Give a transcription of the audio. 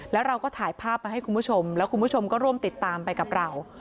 แล้วเราก็ถ่ายภาพมาให้คุณผู้ชมแล้วคุณผู้ชมก็ร่วมติดตามไปกับเรา